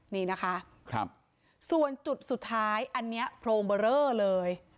นี่นะคะส่วนจุดสุดท้ายอันนี้โพรงเบอร์เรอเลย